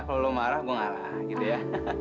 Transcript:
kalau lo marah gue ngalah gitu ya